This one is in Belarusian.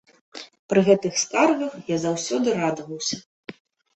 Пры гэтых скаргах я заўсёды радаваўся.